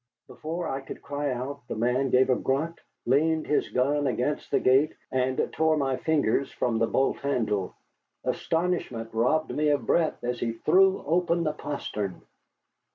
Before I could cry out the man gave a grunt, leaned his gun against the gate, and tore my fingers from the bolt handle. Astonishment robbed me of breath as he threw open the postern.